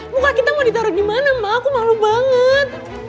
muka kita mau ditaruh di mana aku malu banget